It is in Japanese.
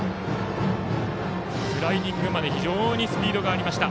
スライディングまで非常にスピードがありました。